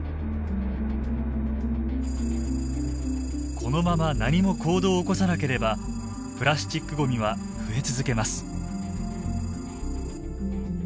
このまま何も行動を起こさなければプラスチックごみは増え続けます。